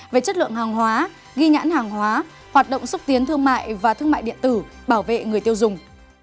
về chất lượng hàng hóa ghi nhãn hàng hóa hoạt động xúc tiến thương mại và thương mại điện tử bảo vệ người tiêu dùng